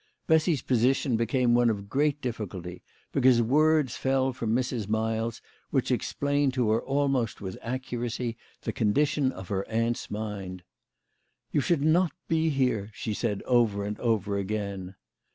Bessy's position became one of great difficulty, because words fell from Mrs. Miles which explained to her almost with accuracy the condition of her aunt's mind. "You should not be here," she said over and over again.